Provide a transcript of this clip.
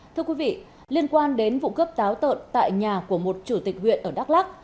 thưa quý vị liên quan đến vụ cướp táo tợn tại nhà của một chủ tịch huyện ở đắk lắc